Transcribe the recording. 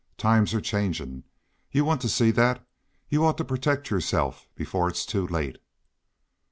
Times are changing. You want to see that. You ought to protect yourself before it's too late."